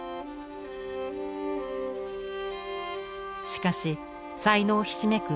しかし才能ひしめく